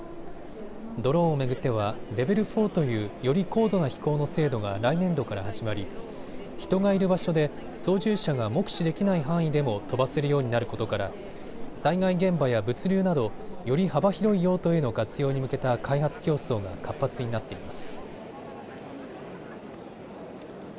ドローンを巡ってはレベル４という、より高度な飛行の制度が来年度から始まり人がいる場所で操縦者が目視できない範囲でも飛ばせるようになることから災害現場や物流などより幅広い用途への活用に向けた開発競争が活発になっています。